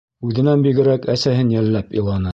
Үҙенән бигерәк әсәһен йәлләп иланы.